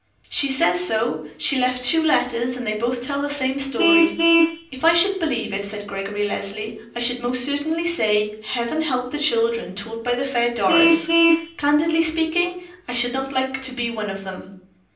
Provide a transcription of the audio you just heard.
"She says so. She left two letters, and they both tell the same story." "If I should believe it," said Gregory Leslie, "I should most certainly say, Heaven help the children taught by the fair Doris. Candidly speaking, I should not like to be one of them."